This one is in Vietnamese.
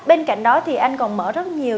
bên cạnh đó thì anh còn mở rất nhiều